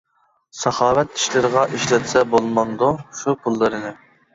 ساخاۋەت ئىشلىرىغا ئىشلەتسە بولمامدۇ شۇ پۇللىرىنى.